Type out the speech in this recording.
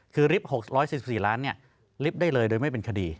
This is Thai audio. คือริบ๖๔๔ล้านริบได้เลยโดยไม่เป็นคดี